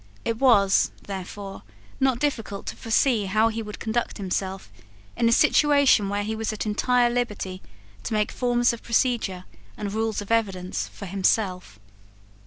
It was, therefore, not difficult to foresee how he would conduct himself in a situation in which he was at entire liberty to make forms of procedure and rules of evidence for himself.